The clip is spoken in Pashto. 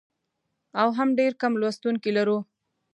او هم ډېر کم لوستونکي لرو.